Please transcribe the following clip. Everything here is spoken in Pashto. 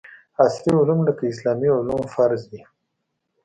عصري علوم لکه اسلامي علوم فرض دي